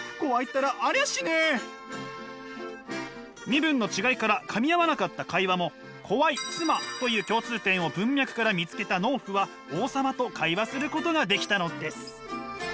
身分の違いからかみ合わなかった会話も「怖い妻」という共通点を文脈から見つけた農夫は王様と会話することができたのです。